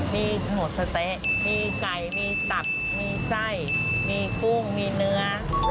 มีหมูสะเต๊ะมีไก่มีตับมีไส้มีกุ้งมีเนื้อ